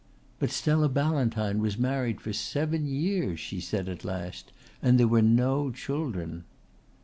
"But Stella Ballantyne was married for seven years," she said at last, "and there were no children."